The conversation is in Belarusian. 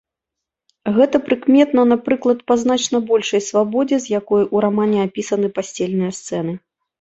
Гэта прыкметна, напрыклад, па значна большай свабодзе, з якой у рамане апісаны пасцельныя сцэны.